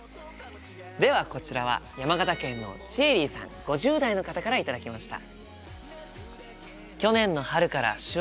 ではこちらは山形県のちえりいさん５０代の方から頂きました。